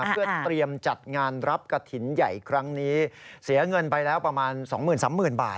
เพื่อเตรียมจัดงานรับกระถิ่นใหญ่ครั้งนี้เสียเงินไปแล้วประมาณ๒๓๐๐๐บาท